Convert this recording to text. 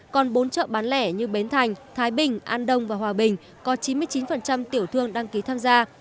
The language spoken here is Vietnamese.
còn bốn chợ bán lẻ như bến thành thái bình an đông và hòa bình có chín mươi chín tiểu thương đăng ký tham gia